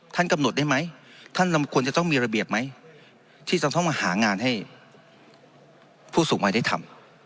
ท่านกำหนดได้ไหมท่านควรจะต้องมีระเบียบไหมที่จะต้องมาหางานให้ผู้สูงวัยได้ทำ